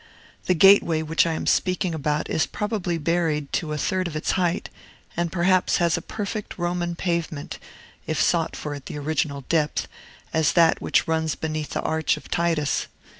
The gateway which I am speaking about is probably buried to a third of its height, and perhaps has as perfect a Roman pavement (if sought for at the original depth) as that which runs beneath the Arch of Titus.